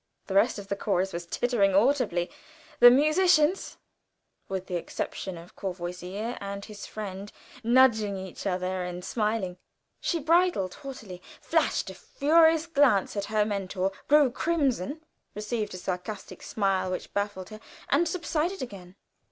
The rest of the chorus was tittering audibly, the musicians, with the exception of Courvoisier and his friend, nudging each other and smiling. She bridled haughtily, flashed a furious glance at her mentor, grew crimson, received a sarcastic smile which baffled her, and subsided again.